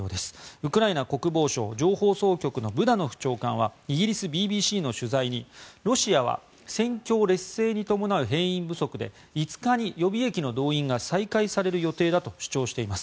ウクライナ国防省情報総局のブダノフ長官はイギリスＢＢＣの取材にロシアは戦況劣勢に伴う兵員不足で５日に予備役の動員が再開される予定だと主張しています。